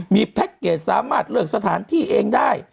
มีแพ็คเกจสามารถเลือกสถานที่เองได้